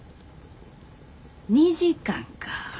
２時間か。